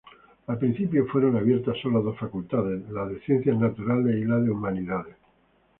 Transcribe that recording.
Al principio, fueron abiertas sólo dos facultades: de ciencias naturales y de humanidades.